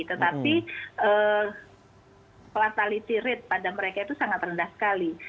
tetapi fatality rate pada mereka itu sangat rendah sekali